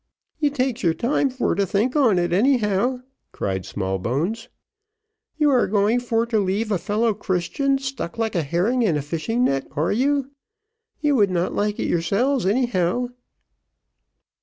"You takes time for to think on it anyhow," cried Smallbones "you are going for to leave a fellow christian stuck like a herring in a fishing net, are you? you would not like it yourself, anyhow."